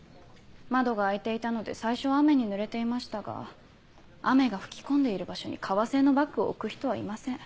窓が開いていたので最初は雨に濡れていましたが雨が吹き込んでいる場所に革製のバッグを置く人はいません。